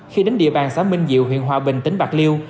khi đến địa bàn xã minh diệu huyện hòa bình tỉnh bạc liêu